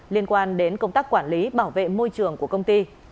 liên quan đến công tác quản lý bảo vệ môi trường của công ty